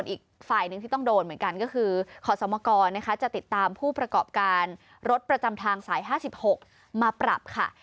อีกฝ่ายหนึ่งที่ต้องโดนเหมือนกันก็คือขอสมกรนะคะจะติดตามผู้ประกอบการรถประจำทางสาย๕๖มาปรับค่ะ